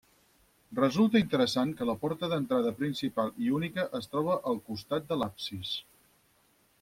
Resulta interessant que la porta d'entrada principal i única es troba al costat de l'absis.